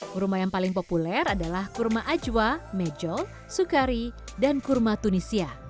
kurma yang paling populer adalah kurma ajwa mejol sukari dan kurma tunisia